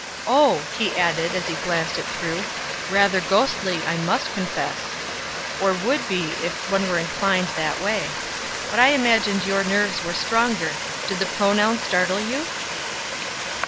Oh," he added, as he glanced it through, "rather ghostly, I must confess, or would be if one were inclined that way; but I imagined your nerves were stronger. Did the pronoun startle you?"